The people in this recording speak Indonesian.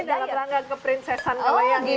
ini dalam rangka keprinsesan kalau yang ini